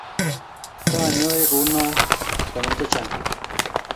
Taanyoe kuunoe konyil chechang